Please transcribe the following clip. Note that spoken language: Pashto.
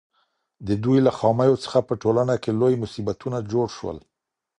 د دوی له خامیو څخه په ټولنه کي لوی مصیبتونه جوړ سول.